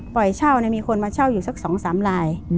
ปล่อยเช่ามีคนมาเช่าอยู่สักสองสามราย